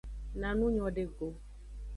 Na nu nyode go.